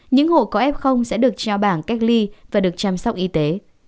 những hộ có f sẽ được trao bảng cách ly và được chăm sóc y tế